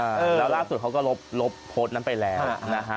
แล้วล่าสุดเขาก็ลบลบโพสต์นั้นไปแล้วนะฮะ